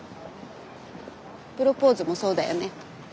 プロポーズもそうだよね。